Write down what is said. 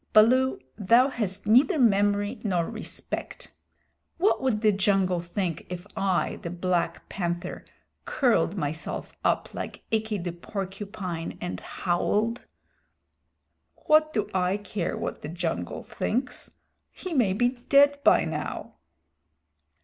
"Baloo, thou hast neither memory nor respect. What would the jungle think if I, the Black Panther, curled myself up like Ikki the Porcupine, and howled?" "What do I care what the jungle thinks? He may be dead by now."